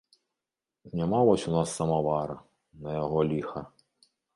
Няма вось у нас самавара, на яго ліха.